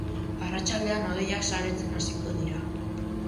Arratsaldean, hodeiak saretzen hasiko dira.